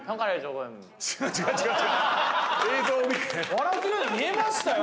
笑ってるように見えましたよ？